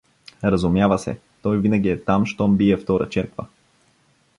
— Разумява се, той винаги е там, щом бие втора черква.